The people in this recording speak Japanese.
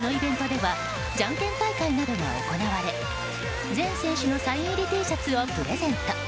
およそ２５０人が参加したこのイベントではじゃんけん大会などが行われ全選手のサイン入りＴシャツをプレゼント。